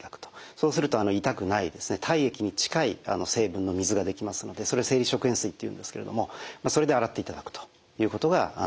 そうすると痛くない体液に近い成分の水が出来ますのでそれを生理食塩水というんですけれどもそれで洗っていただくということがいいと思います。